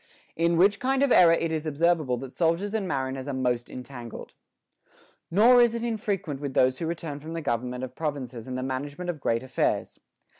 In which kind of error it is observable that soldiers and mariners are most entangled. Nor is it infrequent with those who return from the government of provinces and the management of great affairs.